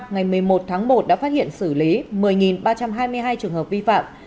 ngày một mươi một tháng một đã phát hiện xử lý một mươi ba trăm hai mươi hai trường hợp vi phạm